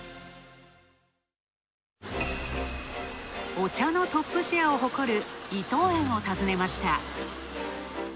お茶のトップシェアを誇る伊藤園を訪ねました。